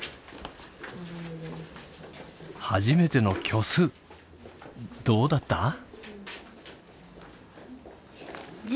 初めての虚数どうだった？